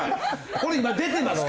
これ今出てますから。